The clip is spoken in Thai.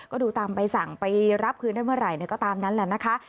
ก็ดูตามใบสั่งไปรับคืนได้เมื่อไหร่ก็ตามนั้นแหละนะคะ